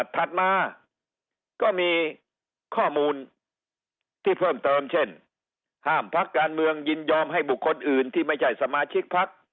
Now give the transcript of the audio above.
ถัดมาก็มีข้อมูลที่เพิ่มเติมเช่นห้ามพักการเมืองยินยอมให้บุคคลอื่นที่ไม่ใช่สมาชิกพัก